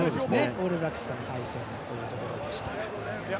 オールブラックスとの対戦というところでしたが。